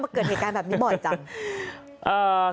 เกิดเหตุการณ์แบบนี้บ่อยจัง